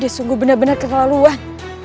sungguh benar benar kelaluan